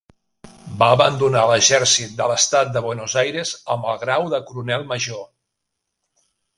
Va abandonar l'exèrcit de l'Estat de Buenos Aires amb el grau de coronel major.